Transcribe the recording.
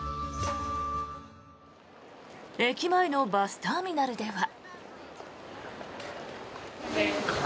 駅前のバスターミナルでは。